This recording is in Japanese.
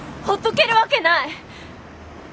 ほっとけるわけない！